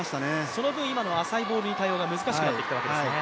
その分、今の浅いボールに対応が難しくなってきたんですね。